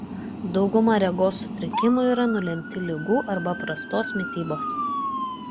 Dauguma regos sutrikimų yra nulemti ligų arba prastos mitybos.